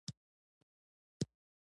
دا کلا زړه ده خو قوي ده